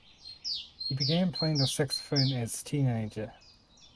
He began playing the saxophone as teenager.